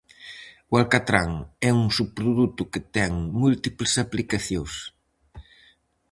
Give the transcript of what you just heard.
O alcatrán é un subproduto que ten múltiples aplicacións.